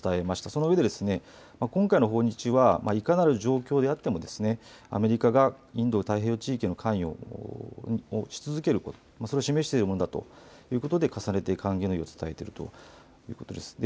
そのうえで今回の訪日はいかなる状況であってもアメリカがインド太平洋地域、関与をし続けることそれを示しているものだということで重ねて歓迎の意を伝えているということです。